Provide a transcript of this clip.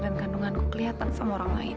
dan kandunganku kelihatan sama orang lain